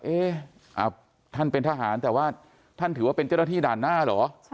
เอ๊ะท่านเป็นทหารแต่ว่าท่านถือว่าเป็นเจ้าหน้าที่ด่านหน้าเหรอ